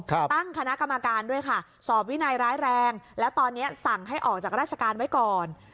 ตั้งคณะกรรมการด้วยค่ะสอบวินัยร้ายแรงแล้วตอนนี้สั่งให้ออกจากราชการไว้ก่อน